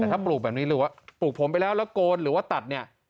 แต่ถ้าปลูกแบบนี้หรือว่าปลูกผมไปแล้วแล้วโกนหรือว่าตัดเนี่ย